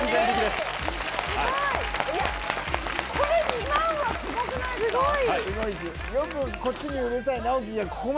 すごい！